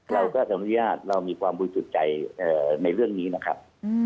เราก็สำนวยญาติเรามีความบูรณ์สุดใจในเรื่องนี้นะครับ